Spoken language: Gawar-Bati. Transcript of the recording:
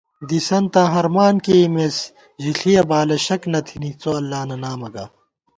دِسَنتاں ہرمان کېئیمېس، ژِݪِیَہ بالہ شَک نہ تھِنی څو اللہ نہ نامہ گا